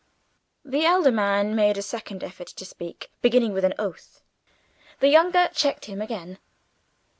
The elder man made a second effort to speak, beginning with an oath. The younger checked him again.